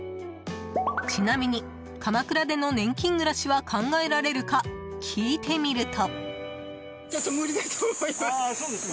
ちなみに、鎌倉での年金暮らしは考えられるか聞いてみると。